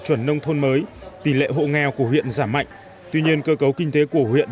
chuẩn nông thôn mới tỷ lệ hộ nghèo của huyện giảm mạnh tuy nhiên cơ cấu kinh tế của huyện